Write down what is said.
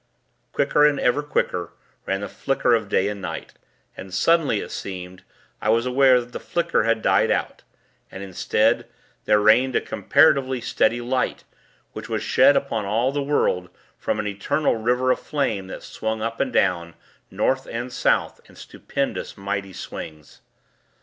Quicker, and ever quicker, ran the flicker of day and night; and, suddenly it seemed, I was aware that the flicker had died out, and, instead, there reigned a comparatively steady light, which was shed upon all the world, from an eternal river of flame that swung up and down, North and South, in stupendous, mighty swings.